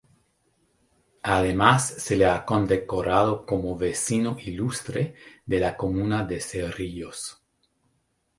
Además se le ha condecorado como vecino ilustre de la comuna de Cerrillos.